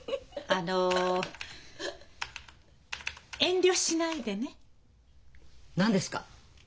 あの遠慮しないでね。何ですか？